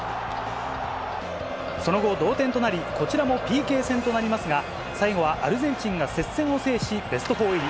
その後、同点となり、こちらもＰＫ戦となりますが、最後はアルゼンチンが接戦を制し、ベスト４入り。